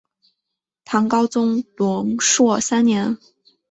唐高宗龙朔三年。